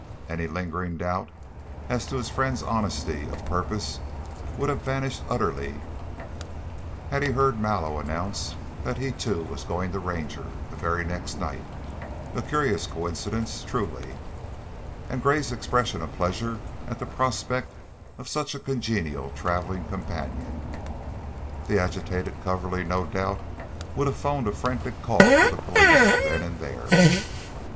Any lingering doubt as to his friend's honesty of purpose would have vanished utterly had he heard Mallow announce that he, too, was going to Ranger, the very next night a curious coincidence, truly and Gray's expression of pleasure at the prospect of such a congenial traveling companion. The agitated Coverly no doubt would have phoned a frantic call for the police, then and there.